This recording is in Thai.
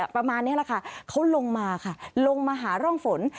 ประมาณนี้แหละค่ะเขาลงมาค่ะลงมาหาร่องฝน